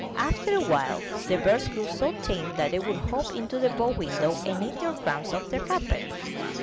After a while the birds grew so tame that they would hop into the bow window, and eat their crumbs off the carpet.